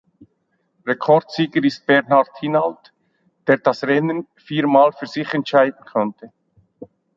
Rekordsieger ist Bernard Hinault, der das Rennen viermal für sich entscheiden konnte.